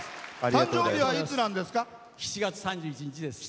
誕生日は、いつなんですか？